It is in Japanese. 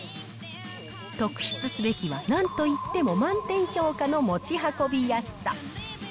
特筆すべきはなんといっても満点評価の持ち運びやすさ。